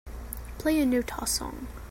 Play a Nóta song